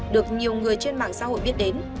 được nhiều người trên mạng xã hội biết đến